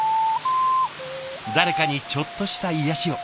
誰かにちょっとした癒やしを。